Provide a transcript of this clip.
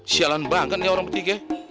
sialan banget nih orang ketiga